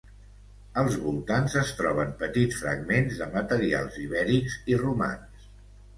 Als voltants es troben petits fragments de materials ibèrics i romans.